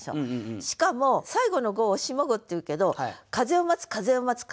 しかも最後の五を下五っていうけど「風を待つ」「風を待つ」「風を待つ」「風を待つ」。